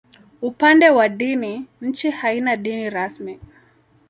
Upande wa dini, nchi haina dini rasmi.